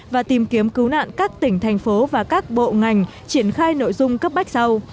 và tìm kiếm cứu nạn các tỉnh thành phố và các bộ ngành triển khai nội dung cấp bách sau